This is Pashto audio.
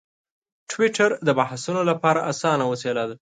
ټویټر د بحثونو لپاره اسانه وسیله ده.